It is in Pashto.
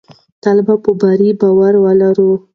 تل په بریا باور ولرئ.